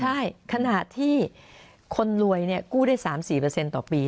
ใช่ขณะที่คนรวยกู้ได้๓๔ต่อปี